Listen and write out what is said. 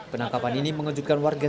penangkapan ini mengejutkan warga